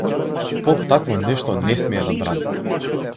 Поп такво нешто не смее да брани!